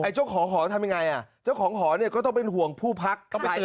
เจ้าของหอทำยังไงเจ้าของหอนี่ก็ต้องเป็นห่วงผู้พัก